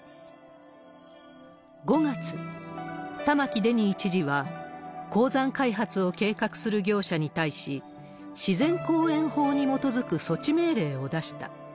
５月、玉城デニー知事は、鉱山開発を計画する業者に対し、自然公園法に基づく措置命令を出した。